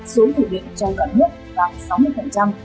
số thủ điện trong cả nước gặp sáu mươi